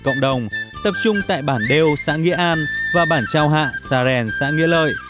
cộng đồng tập trung tại bản đêu xã nghĩa an và bản trao hạ xã rèn xã nghĩa lợi